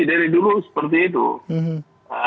dari dulu seperti itu